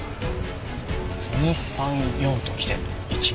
２３４ときて１。